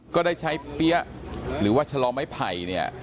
ก็ได้ใช้เปี๊ยะหรือว่าชะลอไม้ไผ่เนี่ย